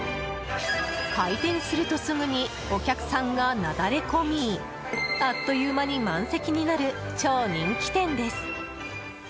開店するとすぐにお客さんがなだれ込みあっという間に満席になる超人気店です。